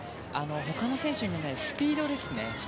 他の選手にはないスピードですね。